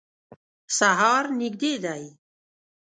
سهار نیژدي دی